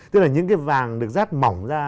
tức là những cái vàng được rát mỏng ra